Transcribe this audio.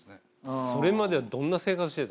それまではどんな生活してたの？